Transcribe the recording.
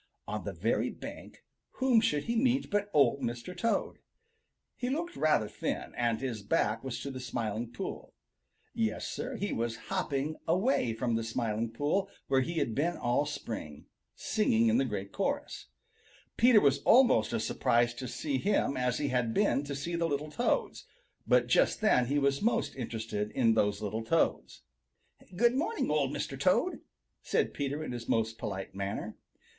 On the very bank whom should he meet but Old Mr. Toad. He looked rather thin, and his back was to the Smiling Pool. Yes, Sir, he was hopping away from the Smiling Pool where he had been all the spring, singing in the great chorus. Peter was almost as surprised to see him as he had been to see the little Toads, but just then he was most interested in those little Toads. "Good morning, Old Mr. Toad," said Peter in his most polite manner.